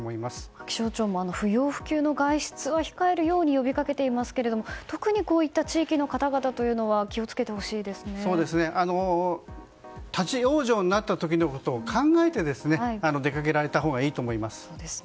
気象庁も不要不急の外出は控えるように呼びかけていますが、特にこういった地域の方々というのは立ち往生になった時のことを考えて出かけられたほうがいいと思います。